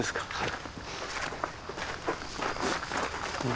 はい。